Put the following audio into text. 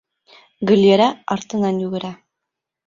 Гөллирә артынан йүгерә.